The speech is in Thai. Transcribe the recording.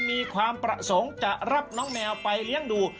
มีความประสงค์จะรับน้องแมวไปเลี้ยงดู